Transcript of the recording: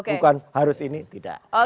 bukan harus ini tidak